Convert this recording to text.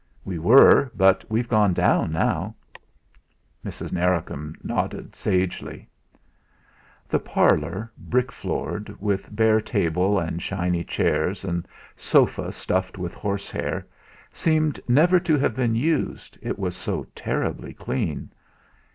"We were, but we've gone down now." Mrs. Narracombe nodded sagely. The parlour, brick floored, with bare table and shiny chairs and sofa stuffed with horsehair, seemed never to have been used, it was so terribly clean.